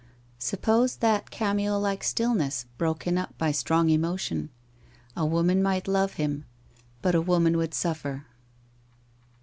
Suppose that cameo like stillness broken up by strong emotion, a woman might love him, but a woman would suffer.